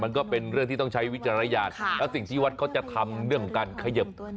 มันก็เป็นเรื่องที่ต้องใช้วิจารณญาณแล้วสิ่งที่วัดเขาจะทำเรื่องการเขยิบ